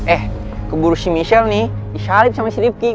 eh keburu si michelle nih dishalib sama si rifki